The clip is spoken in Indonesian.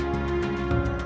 aku gak capek